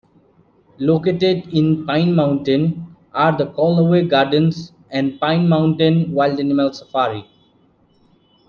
Located in Pine Mountain are the Callaway Gardens and Pine Mountain Wild Animal Safari.